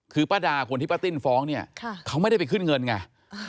คือป้าดาคนที่ป้าติ้นฟ้องเนี่ยเขาไม่ได้ไปขึ้นเงินไง